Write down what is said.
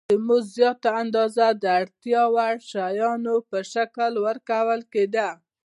د مزد زیاته اندازه د اړتیا وړ شیانو په شکل ورکول کېده